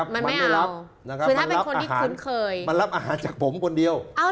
มันไม่รับมันรับอาหารมันรับอาหารจากผมคนเดียว